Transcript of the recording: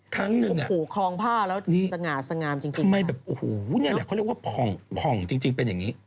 ครั้งหนึ่งโอ้โหคลองผ้าแล้วสง่าสง่ามจริงทำไมแบบโอ้โหนี่แหละเขาเรียกว่าผ่องผ่องจริงเป็นอย่างนี้